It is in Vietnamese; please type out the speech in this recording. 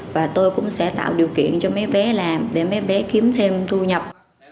và tôi cũng sẽ tạo điều kiện cho mấy bé làm để mấy bé kiếm thêm thu nhập